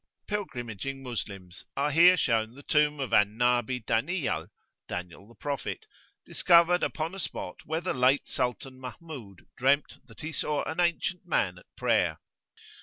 Pilgrimaging Moslems are here [p.12]shown the tomb of Al nabi Daniyal (Daniel the Prophet), discovered upon a spot where the late Sultan Mahmud dreamed that he saw an ancient man at prayer.